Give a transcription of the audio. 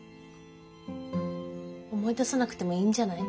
思い出さなくてもいいんじゃない？